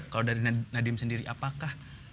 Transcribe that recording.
kalau dari nadiem sendiri apakah